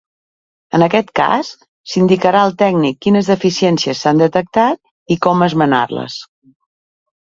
En aquest cas, s'indicarà al tècnic quines deficiències s'han detectat i com esmenar-les.